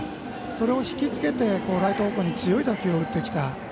それを引きつけてライト方向に強い打球を打ってきた。